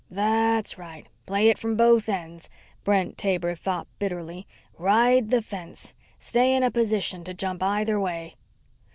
That's right, play it from both ends, Brent Taber thought bitterly. _Ride the fence. Stay in a position to jump either way.